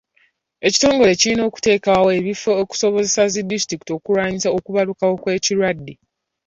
Ekitongole kirina okuteekawo ebifo okusobozesa zi disitulikiti okulwanyisa okubalukawo kw'ebirwadde.